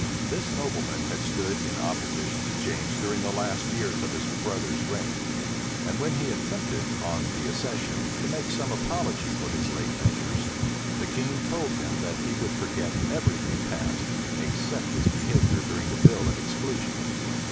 This nobleman had stood in opposition to James during the last years of his brother's reign; and when he attempted, on the accession, to make some apology for his late measures, the king told him that he would forget every thing past, except his behavior during the bill of exclusion.